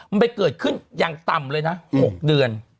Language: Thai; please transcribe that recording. มันไปเกิดขึ้นตำเลยนะหกเดือน